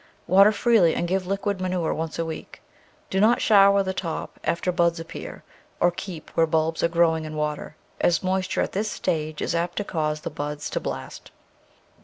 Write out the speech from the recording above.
Water freely and give liquid manure once a week. Do not shower the tops after buds appear, or keep where bulbs are growing in water, as moisture at this stage is apt to cause the buds to blast.